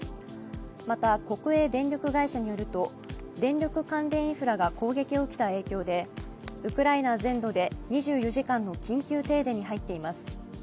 また国営電力会社によると電力関連インフラが攻撃を受けた影響でウクライナ全土で２４時間の緊急停電に入っています。